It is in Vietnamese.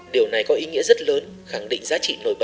điều này có ý nghĩa rất lớn khẳng định giá trị nổi bật